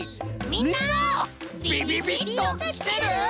みんなビビビッときてる？